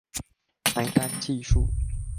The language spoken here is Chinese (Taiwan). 埋單計數